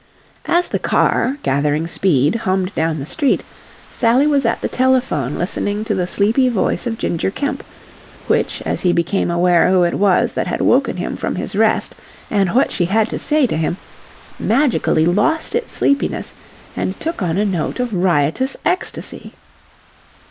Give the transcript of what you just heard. As the car, gathering speed, hummed down the street. Sally was at the telephone listening to the sleepy voice of Ginger Kemp, which, as he became aware who it was that had woken him from his rest and what she had to say to him, magically lost its sleepiness and took on a note of riotous ecstasy.